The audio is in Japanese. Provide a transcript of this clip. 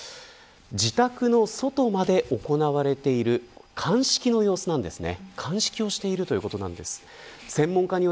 自宅の外まで行われている鑑識の様子なんですね。